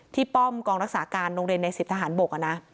ที่ป้อมกองรักษาการโรงเรียนในสิบทหารบก